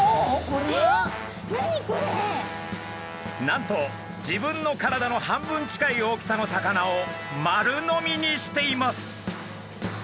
なんと自分の体の半分近い大きさの魚を丸飲みにしています。